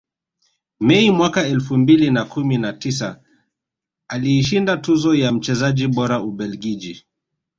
Mei mwaka elfu mbili na kumi na tisa aliishinda tuzo ya mchezaji bora Ubelgiji